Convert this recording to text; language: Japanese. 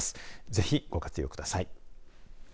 ぜひ、ご活用ください。